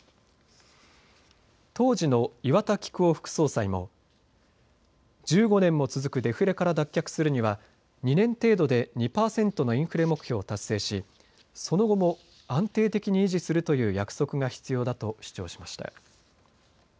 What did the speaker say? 当時の岩田規久男副総裁も１５年も続くデフレから脱却するには２年程度で２％のインフレ目標を達成しその後も安定的に維持するという約束が必要だと主張しました。